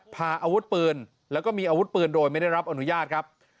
พาอาวุธปืนแล้วก็มีอาวุธปืนโดยไม่ได้รับอนุญาตครับ